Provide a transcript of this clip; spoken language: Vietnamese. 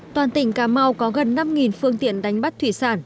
toàn tỉnh cà mau có gần năm phương tiện đánh bắt thủy sản